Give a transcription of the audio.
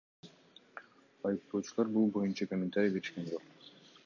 Айыптоочулар бул боюнча комментарий беришкен жок.